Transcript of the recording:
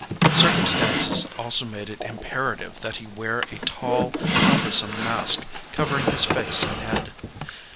Circumstances also made it imperative that he wear a tall, cumbersome mask covering his face and head.